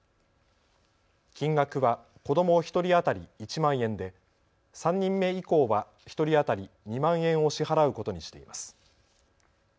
金額は子ども１人当たり１万円で３人目以降は１人当たり２万円を支払うことにしています。